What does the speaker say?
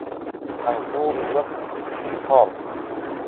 هەڵقوڵی وەک زیوی قاڵ